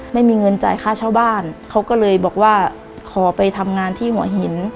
ไม่มีเงินจ่ายค่าเช่าบ้านเขาก็เลยบอกว่าขอไปทำงานที่หัวหิน